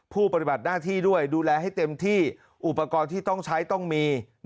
ปฏิบัติหน้าที่ด้วยดูแลให้เต็มที่อุปกรณ์ที่ต้องใช้ต้องมี